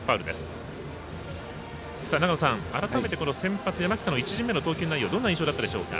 改めて、先発山北の１巡目の投球内容どんな印象だったでしょうか。